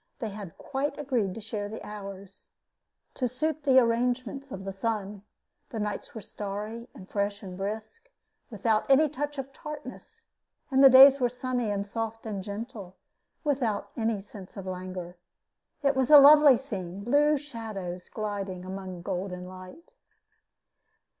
They had quite agreed to share the hours, to suit the arrangements of the sun. The nights were starry and fresh and brisk, without any touch of tartness; and the days were sunny and soft and gentle, without any sense of languor. It was a lovely scene blue shadows gliding among golden light.